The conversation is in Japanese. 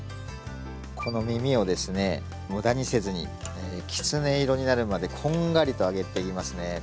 このみみをですねむだにせずにきつね色になるまでこんがりと揚げてきますね。